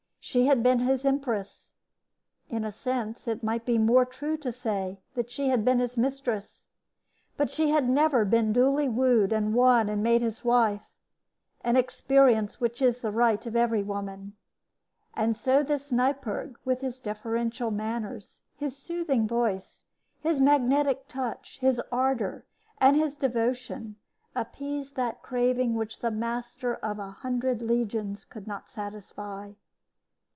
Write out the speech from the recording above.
She had been his empress. In a sense it might be more true to say that she had been his mistress. But she had never been duly wooed and won and made his wife an experience which is the right of every woman. And so this Neipperg, with his deferential manners, his soothing voice, his magnetic touch, his ardor, and his devotion, appeased that craving which the master of a hundred legions could not satisfy.